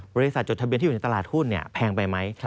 จดทะเบียนที่อยู่ในตลาดหุ้นแพงไปไหม